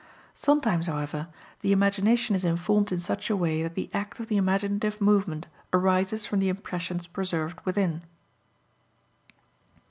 Sometimes, however, the imagination is informed in such a way that the act of the imaginative movement arises from the impressions preserved within.